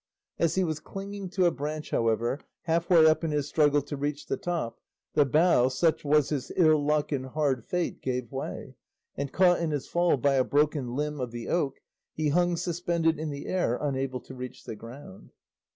As he was clinging to a branch, however, half way up in his struggle to reach the top, the bough, such was his ill luck and hard fate, gave way, and caught in his fall by a broken limb of the oak, he hung suspended in the air unable to reach the ground.